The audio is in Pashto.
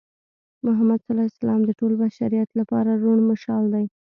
محمد ص د ټول بشریت لپاره روڼ مشال دی.